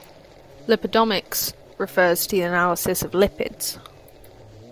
Lipidomics refers to the analysis of lipids.